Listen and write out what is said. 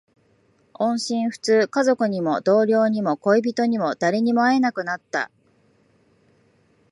音信不通。家族にも、同僚にも、恋人にも、誰にも会えなくなった。